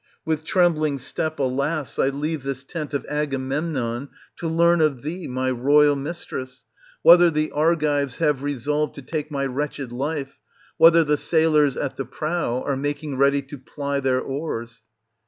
With trembling step, alas ! I leave this tent of Agamemnon to learn of thee, my royal mistress, whether the Argives have resolved to take my wretched life, whether the sailors at the prow are making ready to ply their oars.